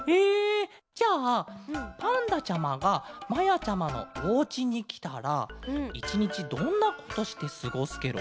じゃあパンダちゃまがまやちゃまのおうちにきたらいちにちどんなことしてすごすケロ？